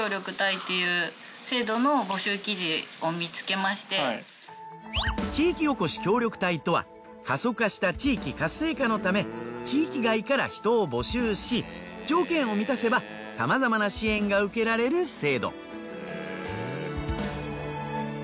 たまたま地域おこし協力隊とは過疎化した地域活性化のため地域外から人を募集し条件を満たせば様々な支援が受けられる制度。